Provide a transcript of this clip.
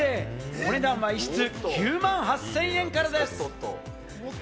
お値段は１室９万８０００円からです。